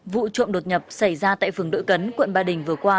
vụ trộm đột nhập xảy ra tại phường đội cấn quận ba đình